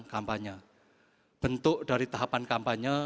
kampanye bentuk dari tahapan kampanye